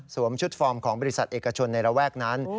ชุดฟอร์มของบริษัทเอกชนในระแวกนั้น